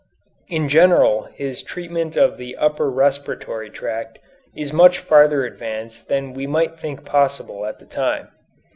In general his treatment of the upper respiratory tract is much farther advanced than we might think possible at this time.